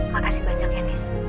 makasih banyak ya nis